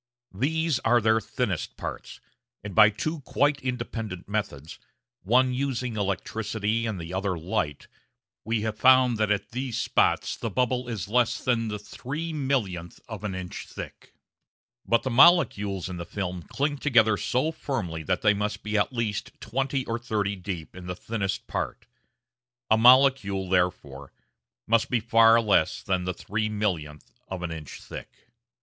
These are their thinnest parts, and by two quite independent methods one using electricity and the other light we have found that at these spots the bubble is less than the three millionth of an inch thick! But the molecules in the film cling together so firmly that they must be at least twenty or thirty deep in the thinnest part. A molecule, therefore, must be far less than the three millionth of an inch thick.